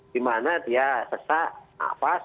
di mana dia sesak nafas